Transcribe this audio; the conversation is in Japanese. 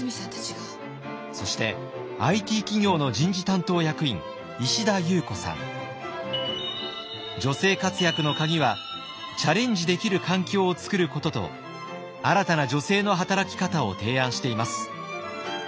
そして女性活躍のカギはチャレンジできる環境を作ることと新たな女性の働き方を提案しています。